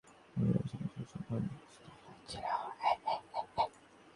কালক্রমে অবশ্য ধর্মপ্রচারকদের নানা অভিযানের সঙ্গে সঙ্গে সে ধর্ম বিপর্যস্ত হয়েছিল।